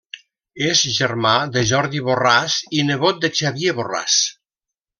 És germà de Jordi Borràs i nebot de Xavier Borràs.